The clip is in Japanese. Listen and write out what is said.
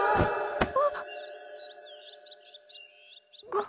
あっ。